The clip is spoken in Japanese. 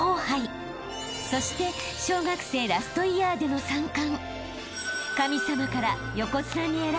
［そして小学生ラストイヤーでの３冠］